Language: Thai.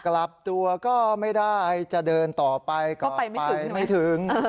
กลับตัวก็ไม่ได้จะเดินต่อไปก็ไปไม่ถึง